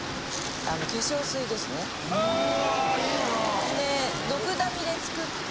・うわいいなぁ・で。